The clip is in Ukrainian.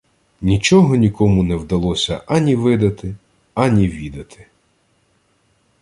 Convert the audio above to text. Нічого нікому не далося ані видати, ані відати...